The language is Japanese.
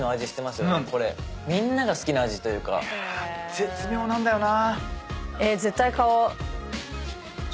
絶妙なんだよな。